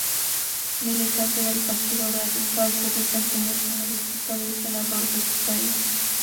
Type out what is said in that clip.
Militante del Partido Radical, se desempeñó como diputado y senador de su país.